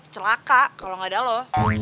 celaka kalau gak ada lo